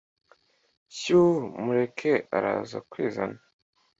shyuuu mureke araza kwizana!